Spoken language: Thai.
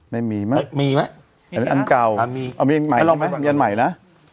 ไม่มีมั้ยอันเก่ามีอันใหม่นะ